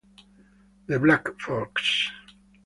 The Black Fox